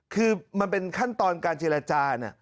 คือมันเป็นขั้นตอนการเจรจา